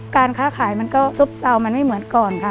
การค้าขายมันก็ซบเซามันไม่เหมือนก่อนค่ะ